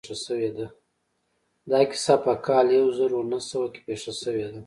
دا کيسه په کال يو زر و نهه سوه کې پېښه شوې ده.